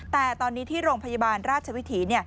แต่ตอนนี้ที่โรงพยาบาลราชวิถี